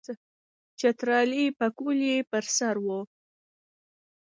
چترالی پکول یې پر سر وو.